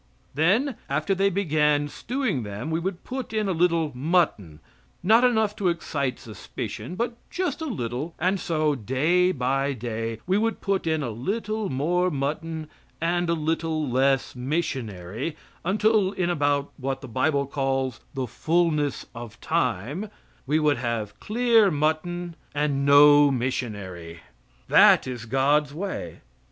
Then, after they began stewing them, we would put in a little mutton not enough to excite suspicion but just a little, and so, day by day, we would put in a little more mutton and a little less missionary until, in about what the bible calls "the fullness of time," we would have clear mutton and no missionary. That is God's way.